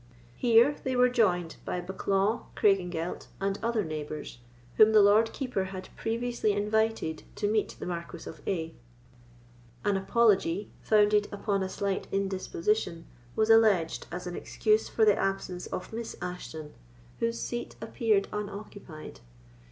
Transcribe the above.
Here they were joined by Bucklaw, Craigengelt, and other neighbours, whom the Lord Keeper had previously invited to meet the Marquis of A——. An apology, founded upon a slight indisposition, was alleged as an excuse for the absence of Miss Ashton, whose seat appeared unoccupied.